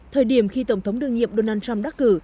thời điểm khi tổng thống đương nhiệm donald trump đắc cử